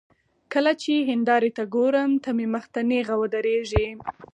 کله چې هندارې ته ګورم، ته مې مخ ته نېغه ودرېږې